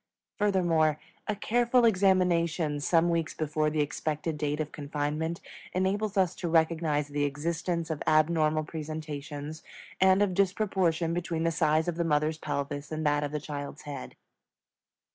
Furthermore, a careful examination some weeks before the expected date of confinement enables us to recognize the existence of abnormal presentations and of disproportion between the size of the mother's pelvis and that of the child's head.